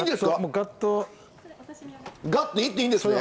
ガッといっていいんですね？